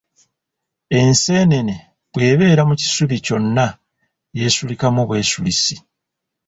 Enseenene bw’ebeera mu kisubi kyonna yeesulikamu bwesulisi.